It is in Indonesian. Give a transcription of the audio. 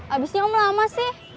abisnya om lama sih